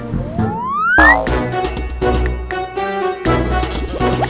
tidak ada yang bisa diingat